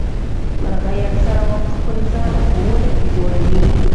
مرغۍ اکثره وخت خپل ځاله په ونه کي جوړوي.